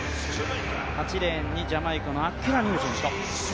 ８レーンにジャマイカのアッケラ・ニュージェント。